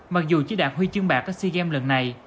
mặc dù chỉ đạt huy chương bạc ở sea games lần này